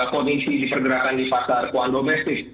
kondisi dipergerakan di pasar uang domestik